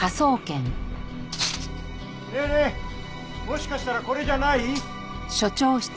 もしかしたらこれじゃない？